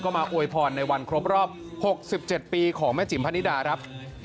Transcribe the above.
มาอวยพรในวันครบรอบ๖๗ปีของแม่จิ๋มพนิดาครับ